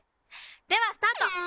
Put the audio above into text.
ではスタート！